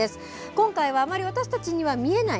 今回はあまり私たちには見えない